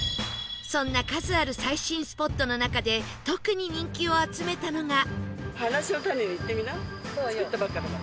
そんな数ある最新スポットの中で特に人気を集めたのが